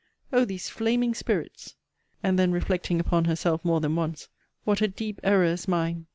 O these flaming spirits! And then reflecting upon herself more than once What a deep error is mine!